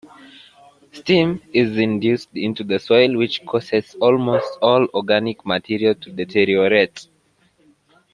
Steam is induced into the soil which causes almost all organic material to deteriorate.